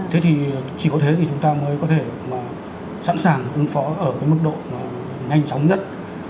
thế thì chỉ có thế thì chúng ta mới có thể mà sẵn sàng ứng phó ở cái mức độ nhanh chóng nhất